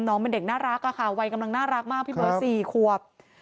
น้องเป็นเด็กน่ารักอะค่ะวัยกำลังน่ารักมากพี่เบิร์ต๔ขวบ